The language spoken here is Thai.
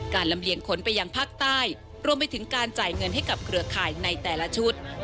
ลำเลียงขนไปยังภาคใต้รวมไปถึงการจ่ายเงินให้กับเครือข่ายในแต่ละชุด